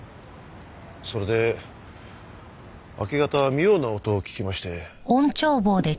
それで明け方妙な音を聞きまして。